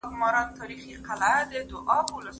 ټوپک پرېږدئ او قلم واخلئ.